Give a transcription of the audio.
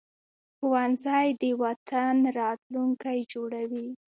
ښوونځی د وطن راتلونکی جوړوي